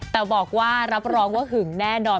แต่บอกว่ารับรองว่าหึงแน่นอน